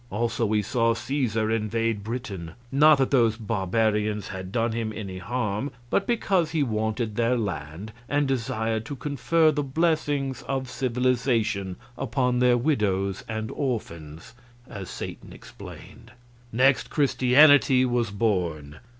Also we saw Caesar invade Britain "not that those barbarians had done him any harm, but because he wanted their land, and desired to confer the blessings of civilization upon their widows and orphans," as Satan explained. Next, Christianity was born.